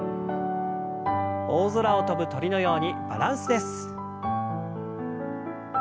大空を飛ぶ鳥のようにバランスです。